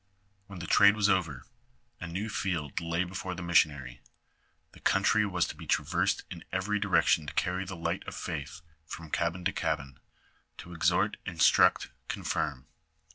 When the trade was over, a new field lay before the missionary ; the country was to be traversed in every direction to carry the light of faith from cabin to cabin, to exhort, instruct, confirm.